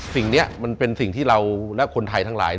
สิ่งนี้มันเป็นสิ่งที่เราและคนไทยทั้งหลาย